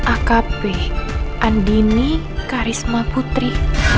akp andini karisma putri